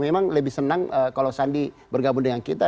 memang lebih senang kalau sandi bergabung dengan kita